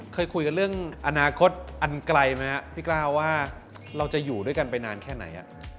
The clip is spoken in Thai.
เคยคุยกันเรื่องอนาคตอันไกลไหมครับพี่กล้าว่าเราจะอยู่ด้วยกันไปนานแค่ไหน